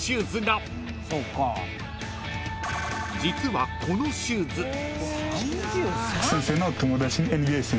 ［実はこのシューズ］